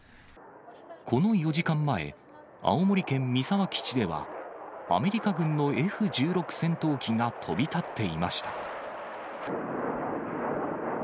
この４時間前、青森県三沢基地では、アメリカ軍のＦ１６戦闘機が飛び立っていました。